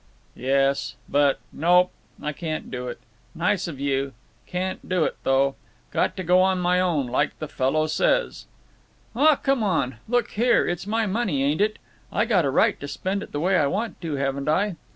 "Yes, but—Nope; I can't do it. Nice of you. Can't do it, though. Got to go on my own, like the fellow says." "Aw, come on. Look here; it's my money, ain't it? I got a right to spend it the way I want to, haven't I?